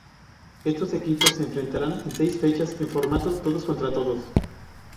Estos equipos se enfrentarán en seis fechas en formato "todos contra todos".